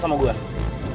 tapi enggak pasti